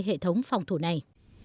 hệ thống phòng thủ này